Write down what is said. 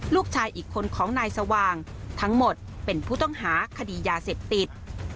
ลูกชายอีกคนของนายสว่างทั้งหมดเป็นผู้ต้องหาคดียาเสพติด